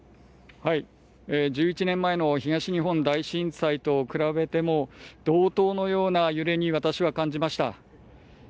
１１年前の東日本大震災と比べても同等のような揺れに私は感じました。